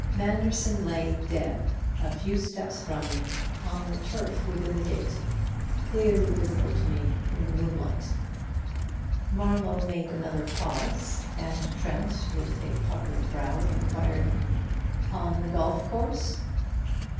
"Manderson lay dead a few steps from me on the turf within the gate, clearly visible to me in the moonlight." Marlowe made another pause, and Trent, with a puckered brow, inquired: "On the golf course?"